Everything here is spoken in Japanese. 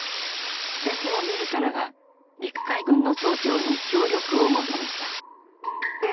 天皇自らが陸海軍の総長に協力を求めた。